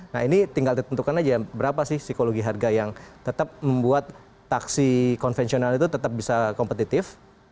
nah ini tinggal ditentukan aja berapa sih psikologi harga yang tetap membuat taksi konvensional itu tetap bisa kompetitif